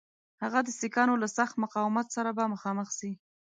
هغه د سیکهانو له سخت مقاومت سره به مخامخ سي.